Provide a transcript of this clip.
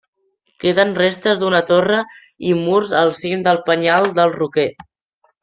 Queden restes d'una torre i murs al cim del penyal del Roquer.